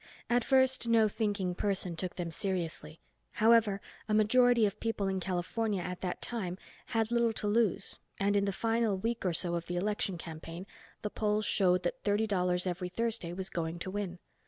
At first no thinking person took them seriously, however a majority of people in California at that time had little to lose and in the final week or so of the election campaign the polls showed that Thirty Dollars Every Thursday was going to win.